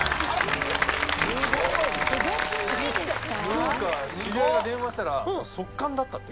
福岡知り合いが電話したら即完だったって。